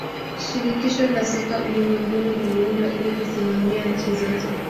shirikisho la soka ulimwenguni liliundwa ili kusimamia nchi zote